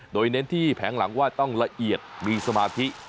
โดยเน้นที่แผงหลังว่าต้องละเอียดมีสมาธิ